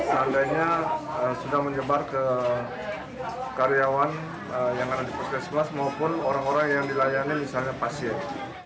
seandainya sudah menyebar ke karyawan yang ada di puskesmas maupun orang orang yang dilayani misalnya pasien